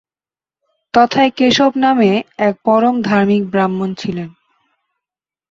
তথায় কেশব নামে এক পরম ধার্মিক ব্রাহ্মণ ছিলেন।